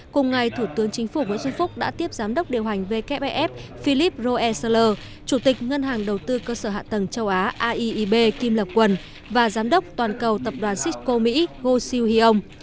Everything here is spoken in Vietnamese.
cùng ngày thủ tướng chính phủ nguyễn xuân phúc đã tiếp giám đốc điều hành vkpf philip roesler chủ tịch ngân hàng đầu tư cơ sở hạ tầng châu á aieb kim lập quần và giám đốc toàn cầu tập đoàn cisco mỹ goh siu hiong